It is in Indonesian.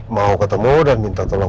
mau ketemu dan minta tolong